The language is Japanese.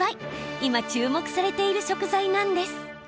今、注目されている食材なんです。